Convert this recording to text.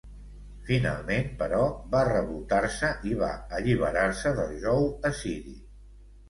Finalment, però, va revoltar-se i va alliberar-se del jou assiri.